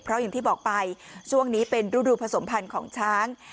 เพราะอย่างที่บอกไปช่วงนี้เป็นฤดูผสมพันธ์ของช้าง